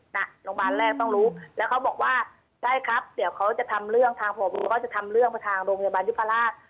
โรงพยาบาลแรกต้องรู้แล้วเขาบอกว่าใช่ครับเดี๋ยวเขาจะทำเรื่องทางพบเขาจะทำเรื่องมาทางโรงพยาบาลยุพราช